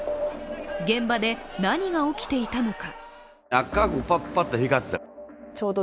現場で何が起きていたのか。